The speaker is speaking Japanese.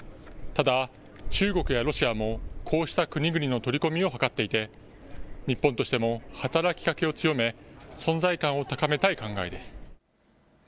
ただ、中国やロシアもこうした国々の取り込みを図っていて、日本としても働きかけを強め、存在感を高めたい考えです。